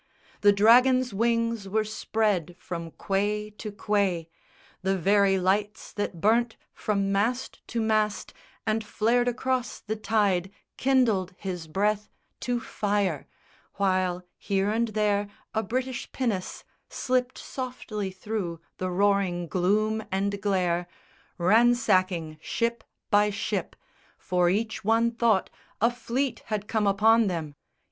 The Dragon's wings were spread from quay to quay, The very lights that burnt from mast to mast And flared across the tide kindled his breath To fire; while here and there a British pinnace Slipped softly thro' the roaring gloom and glare, Ransacking ship by ship; for each one thought A fleet had come upon them.